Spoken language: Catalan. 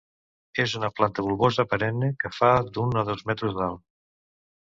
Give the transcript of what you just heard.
És una planta bulbosa perenne que fa d'un a dos metres d'alt.